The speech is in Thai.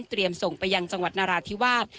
เตรียมส่งไปยังจังหวัดนาราธิวาบ